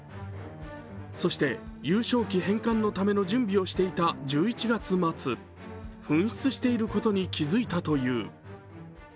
そして優勝旗返還のための準備をしていた１１月末、紛失していることに気付いたという。